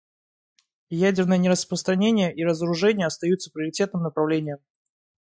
Ядерное нераспространение и разоружение остаются приоритетным направлением.